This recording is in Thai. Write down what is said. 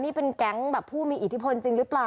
นี่เป็นแก๊งแบบผู้มีอิทธิพลจริงหรือเปล่า